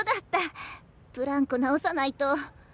ブランコ直さないと。